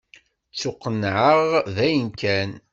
Ttuqennɛeɣ dayen kan.